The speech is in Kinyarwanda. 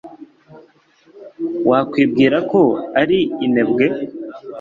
wakwibwira ko ari inebwe